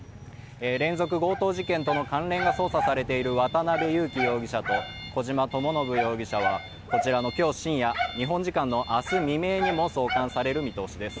連続強盗事件との関連が捜査されている渡辺優樹容疑者と小島智信容疑者は、こちらの今日深夜、日本時間の明日未明にも送還される見通しです。